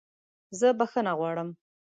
زه بخښنه غواړم!